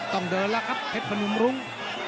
ต้องเดินแล้วครับเพชรพนมรุ้ง